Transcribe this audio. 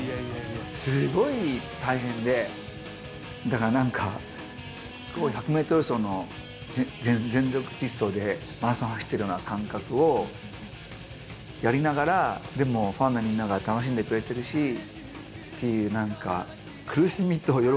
だからなんか１００メートル走の全力疾走でマラソンを走ってるような感覚をやりながらでもファンのみんなが楽しんでくれてるしっていうなんか。